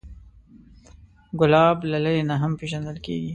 ګلاب له لرې نه هم پیژندل کېږي.